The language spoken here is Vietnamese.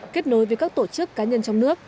kết nối với các tổ chức cá nhân trong nước